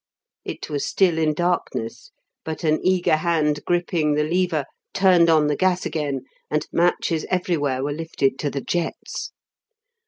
It was still in darkness; but an eager hand gripping the lever, turned on the gas again, and matches everywhere were lifted to the jets.